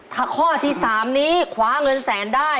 ถ้าข้อที่๓นี้คว้าเงินแสนได้